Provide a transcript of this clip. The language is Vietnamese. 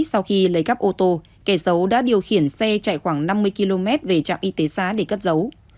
sau khi lấy cắp ô tô kẻ xấu đã điều khiển xe chạy khoảng năm mươi km về trạm y tế xã để cất giấu